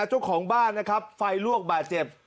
เจ้าของบ้านนะครับไฟลวกบาดเจ็บ